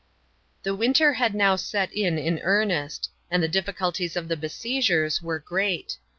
The winter had now set in in earnest, and the difficulties of the besiegers were great.